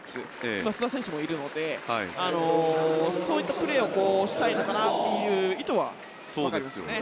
今、須田選手もいるのでそういったプレーをしたいのかなという意図はわかりますね。